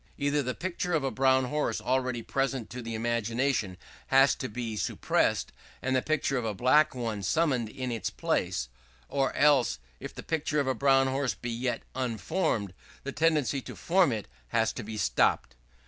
Either the picture of a brown horse already present to the imagination has to be suppressed, and the picture of a black one summoned in its place; or else, if the picture of a brown horse be yet unformed, the tendency to form it has to be stopped.